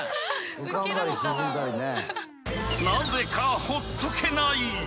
浮かんだり沈んだりね。